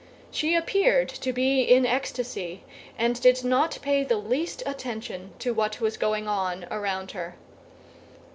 She appeared to be in ecstasy, and did not pay the least attention to what was going on around her.